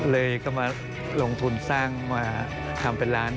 เลยก็มาลงทุนสร้างมาทำเป็นล้าน